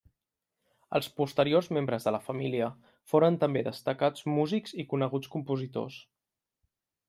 Els posteriors membres de la família foren també destacats músics i coneguts compositors.